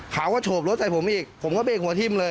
เขาก็โฉบรถใส่ผมอีกผมก็เบรกหัวทิ่มเลย